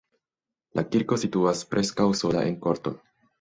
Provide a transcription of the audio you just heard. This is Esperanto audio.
La kirko situas preskaŭ sola en korto.